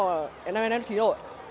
năm nay em thí độ ạ